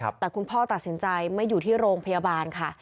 แต่คุณพ่อตัดสินใจไม่อยู่ที่โรงพยาบาลค่ะ